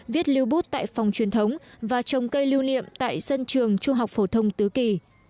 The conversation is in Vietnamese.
viết lưu bút tại phòng truyền thống và trồng cây lưu niệm tại sân trường trung học phổ thông tứ kỳ